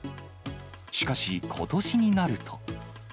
しかし、ことしになると。